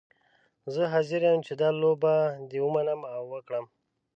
زه حاضره یم چې دا لوبه دې ومنم او وکړم.